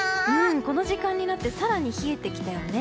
この時間になって更に冷えてきたよね。